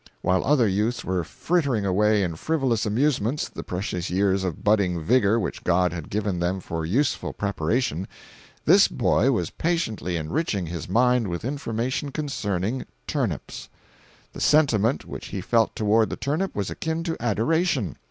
While other youths were frittering away in frivolous amusements the precious years of budding vigor which God had given them for useful preparation, this boy was patiently enriching his mind with information concerning turnips. The sentiment which he felt toward the turnip was akin to adoration.